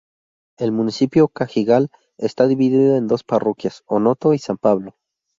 El Municipio Cajigal está dividido en dos parroquias, Onoto y San Pablo.